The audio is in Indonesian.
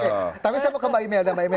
oke tapi saya mau kembali ke email mbak emel